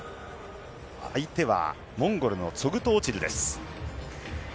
相手はモンゴルのツォグト・オチルです。